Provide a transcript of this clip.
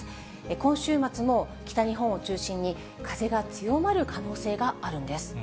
今週末も北日本を中心に、風が強まる可能性があるんです。